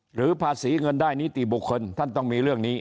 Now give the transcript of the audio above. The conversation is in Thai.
หรือภาษีเงินได้นิติบุคคลท่านต้องมีเรื่องนี้